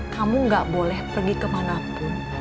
kamu gak boleh pergi kemanapun